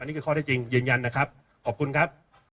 นี่คือข้อได้จริงยืนยันนะครับขอบคุณครับ